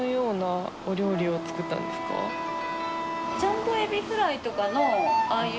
ジャンボエビフライとかの△△い